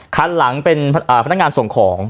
คันหลังเป็นพนักงานส่งของ